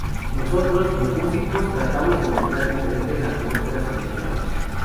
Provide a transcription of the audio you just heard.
Nosotros, los músicos, tratamos de mezclar diferentes atmósferas emocionales.